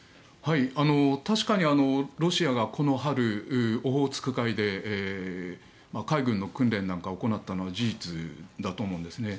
確かにロシアがこの春オホーツク海で海軍の訓練なんかを行ったのは事実だと思うんですね。